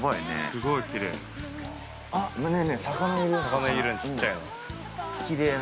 ◆すごいきれい。